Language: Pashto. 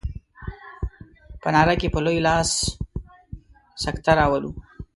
په ناره کې په لوی لاس سکته راولو.